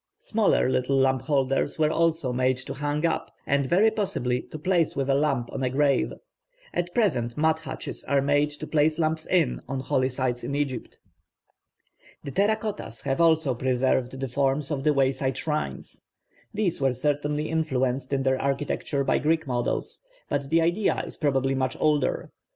Smaller little lamp holders were also made to hang up, and very possibly to place with a lamp on a grave. At present mud hutches are made to place lamps in on holy sites in Egypt. The terra cottas have also preserved the forms of the wayside shrines. These were certainly influenced in their architecture by Greek models, but the idea is probably much older.